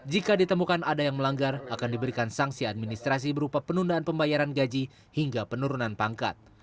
jika ditemukan ada yang melanggar akan diberikan sanksi administrasi berupa penundaan pembayaran gaji hingga penurunan pangkat